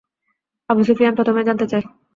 Abu Sufyan প্রথমেই জানতে চায়।